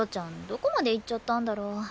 どこまで行っちゃったんだろう？